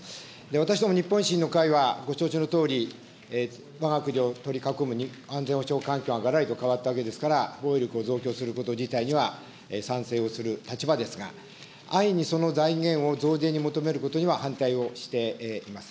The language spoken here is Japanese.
私ども日本維新の会は、ご承知のとおり、わが国を取り囲む安全保障環境はがらりと変わったわけですから、防衛力を増強すること自体には賛成をする立場ですが、安易にその財源を増税に求めることには反対をしています。